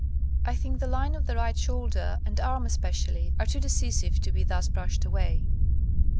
I think the line of the right shoulder and arm especially are too decisive to be thus brushed away.